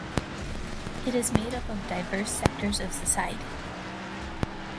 It is made up of diverse sectors of society.